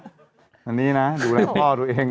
อันนี้นะดูแลพ่อตัวเอง